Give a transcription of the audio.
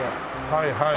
はいはい。